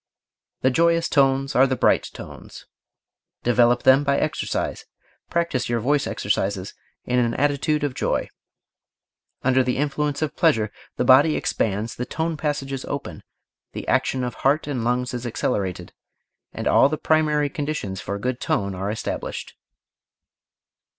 The joyous tones are the bright tones. Develop them by exercise. Practise your voice exercises in an attitude of joy. Under the influence of pleasure the body expands, the tone passages open, the action of heart and lungs is accelerated, and all the primary conditions for good tone are established.